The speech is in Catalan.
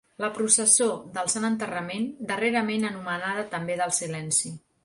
La processó del Sant Enterrament, darrerament anomenada també del Silenci.